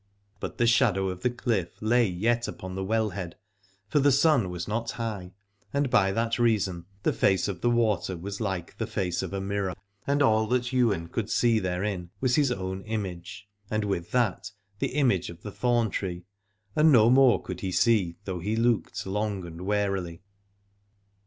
But the shadow of the cliff lay yet upon the well head, for the sun was not high, and by that reason the face of the water was like the face of a mirror, and all that Ywain could see therein was his own image, and with that the image of the thorn tree, and no more could he see though he looked long and warily.